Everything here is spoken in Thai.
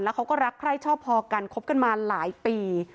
เขาก็รักใคร่ชอบพอกันคบกันมาหลายปี